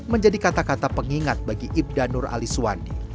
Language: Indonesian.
menjadi kata kata pengingat bagi ibda nur ali suwandi